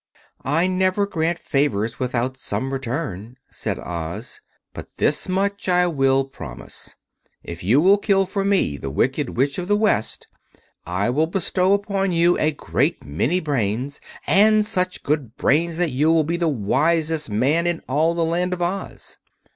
"I never grant favors without some return," said Oz; "but this much I will promise. If you will kill for me the Wicked Witch of the West, I will bestow upon you a great many brains, and such good brains that you will be the wisest man in all the Land of Oz."